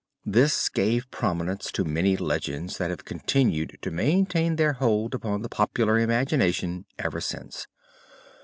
This gave prominence to many legends that have continued to maintain their hold upon the popular imagination ever since.